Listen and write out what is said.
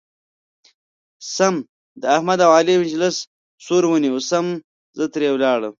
سم د احمد او علي مجلس سور ونیو سم زه ترې ولاړم.